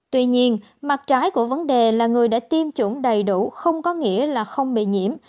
tuy nhiên mặt trái của vấn đề là người đã tiêm chủng đầy đủ không có nghĩa là không bị nhiễm